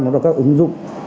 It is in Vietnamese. nó là các ứng dụng